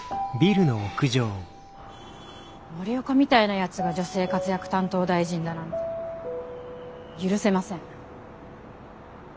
森岡みたいなヤツが女性活躍担当大臣だなんて許せません。